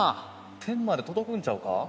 天まで届くんちゃうか。